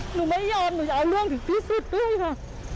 หนูไม่ยอมหนูจะเอาเรื่องถึงที่สุดด้วยค่ะ